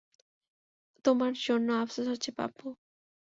তোমার জন্য আফসোস হচ্ছে, পাপ্পু।